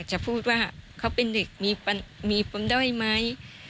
จะพูดว่าเขาเป็นเด็กมีปมด้อยไหม